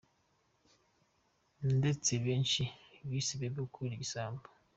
ndetse benshi, bise Bebe Cool igisambo.